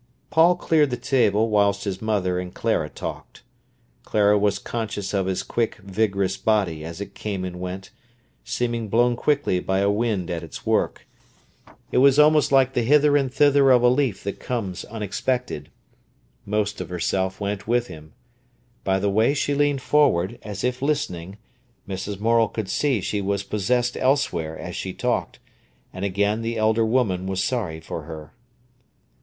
Paul cleared the table whilst his mother and Clara talked. Clara was conscious of his quick, vigorous body as it came and went, seeming blown quickly by a wind at its work. It was almost like the hither and thither of a leaf that comes unexpected. Most of herself went with him. By the way she leaned forward, as if listening, Mrs. Morel could see she was possessed elsewhere as she talked, and again the elder woman was sorry for her.